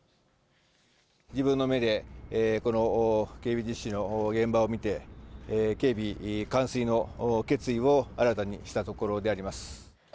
自分の目でこの警備実施の現場を見て、警備完遂の決意を新たにしたところであります。